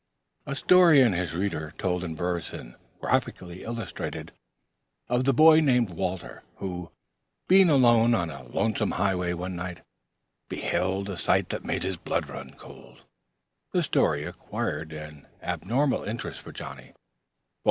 The story in his reader told in verse and graphically illustrated of the boy named Walter, who, being alone on a lonesome highway one dark night, beheld a sight that made his blood run cold, acquired an abnormal interest for Johnnie.